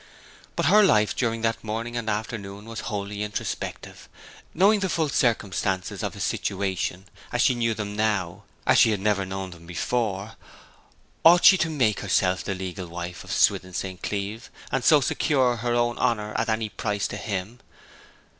But her life during that morning and afternoon was wholly introspective. Knowing the full circumstances of his situation as she knew them now as she had never before known them ought she to make herself the legal wife of Swithin St. Cleeve, and so secure her own honour at any price to him?